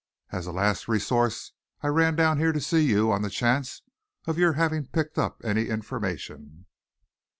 As a last resource, I ran down here to see you on the chance of your having picked up any information."